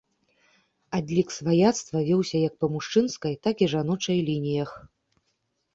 Адлік сваяцтва вёўся як па мужчынскай, так і жаночай лініях.